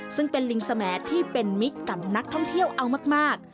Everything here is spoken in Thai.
ซึ่งเป็นลิงสมแอที่เป็นมิตรกับนักท่องเที่ยวเอามาก